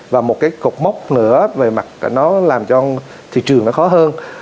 và một cái cột mốc nữa về mặt nó làm cho thị trường nó khó hơn